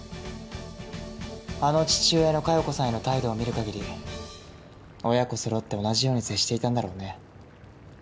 あの父親の佳代子さんへの態度を見る限り親子そろって同じように接していたんだろうね。